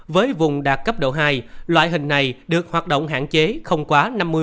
với vùng đạt cấp độ hai loại hình này được hoạt động hạn chế không quá năm mươi